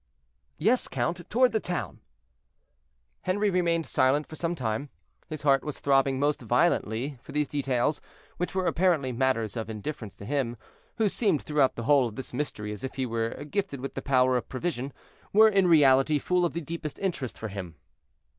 "Yes, count, toward the town." Henri remained silent for some time; his heart was throbbing most violently, for these details, which were apparently matters of indifference to him, who seemed throughout the whole of this mystery as if he were gifted with the power of prevision, were, in reality, full of the deepest interest for him.